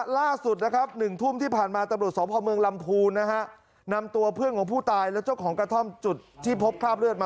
ล่าสุด๑ทุ่มที่ผ่านมาตรวจสอบภาพเมืองลำพู